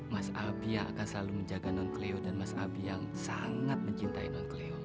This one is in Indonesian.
mas abi yang akan selalu menjaga non cleo dan mas abi yang sangat mencintai non kleo